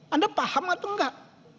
anda paham atau enggak